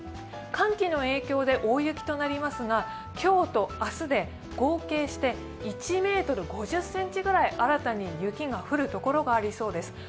寒気の影響で大雪となりますが、今日と明日で合計して１ｍ５０ｃｍくらい新たに雪が降るところがありそうです。